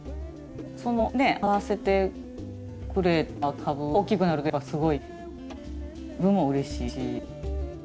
その合わせてくれた株がおっきくなるとやっぱすごい自分もうれしいし。